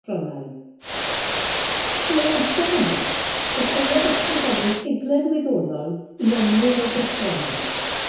Tua'r amser yma dechreuodd ysgrifennu ffuglen wyddonol i amryw o gylchgronau.